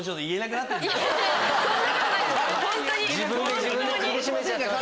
自分で苦しめちゃった。